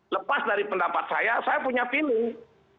lepas dari pendapat saya saya punya feeling